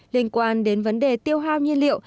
liên quan đến vấn đề tiêu hao nhiên liệu